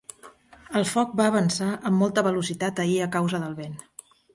El foc va avançar amb molta velocitat ahir a causa del vent.